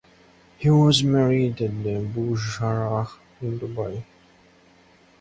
He was married at the Burj Al Arab in Dubai.